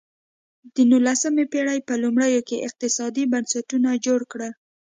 د نولسمې پېړۍ په لومړیو کې اقتصادي بنسټونه جوړ کړل.